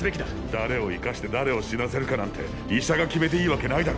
誰を生かして誰を死なせるかなんて医者が決めていいわけないだろ。